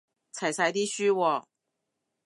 齊晒啲書喎